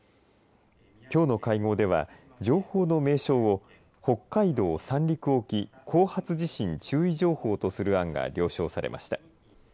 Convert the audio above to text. きょうの会合では情報の名称を北海道・三陸沖後発地震注意情報とする案が了承されました。